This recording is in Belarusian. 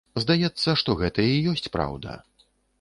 Здаецца, што гэта і ёсць праўда.